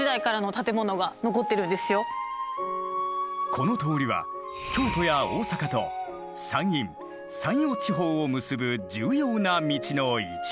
この通りは京都や大坂と山陰・山陽地方を結ぶ重要な道の一部。